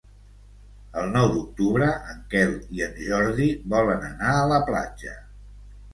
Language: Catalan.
El nou d'octubre en Quel i en Jordi volen anar a la platja.